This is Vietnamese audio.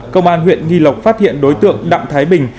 công an huyện nghi lộc phát hiện đối tượng đặng thái bình